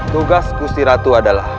tugas gusti ratu adalah